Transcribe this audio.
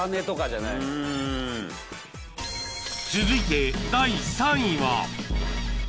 ［続いて第３位は］